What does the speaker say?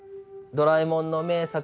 「ドラえもん」の名作